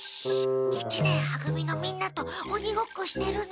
一年は組のみんなとおにごっこしてるの。